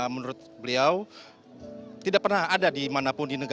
menurut beliau tidak pernah ada dimanapun di negara